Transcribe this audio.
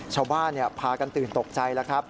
ชาวบ้านพากันตื่นตกใจแล้วครับ